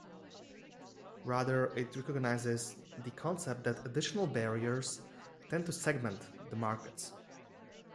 Rather, it recognizes the concept that additional barriers tend to segment the markets.